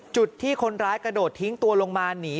จุดที่คนร้ายกระโดดทิ้งตัวลงมาหนี